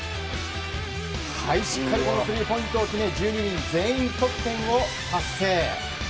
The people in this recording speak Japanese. しっかりスリーポイントを決め１２人全員得点を達成。